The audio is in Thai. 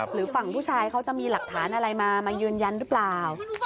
หรือฝั่งผู้ชายเขาจะมีหลักฐานอะไรมามายืนยันหรือเปล่า